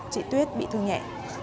chị tuyết bị thương nhẹ